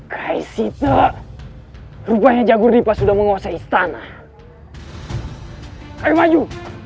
guys itu rupanya jago lipat sudah menguasai istana hai ayo maju